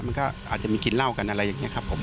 มันก็อาจจะมีกินเหล้ากันอะไรอย่างนี้ครับผม